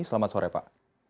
selamat sore pak